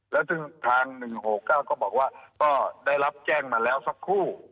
แล้วซึ่งทาง๑๖๙ก็บอกว่าก็ได้รับแจ้งมาแล้วสักคู่